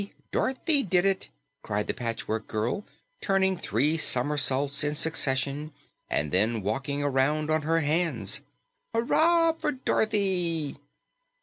Dorothy did it!" cried the Patchwork Girl, turning three somersaults in succession and then walking around on her hands. "Hurrah for Dorothy!"